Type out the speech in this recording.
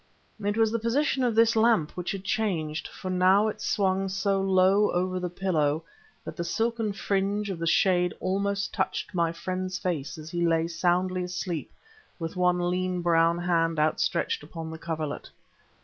It was the position of this lamp which had changed. For now it swung so low over the pillow that the silken fringe of the shade almost touched my friend's face as he lay soundly asleep with one lean brown hand outstretched upon the coverlet.